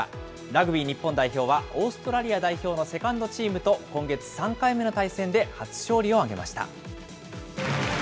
ラグビー日本代表は、オーストラリア代表のセカンドチームと、今月３回目の対戦で、初勝利を挙げました。